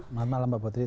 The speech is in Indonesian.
selamat malam mbak patrice